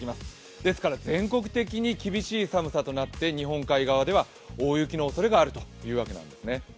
ですから全国的に厳しい寒さとなって日本海側では大雪のおそれがあるというわけなんですね。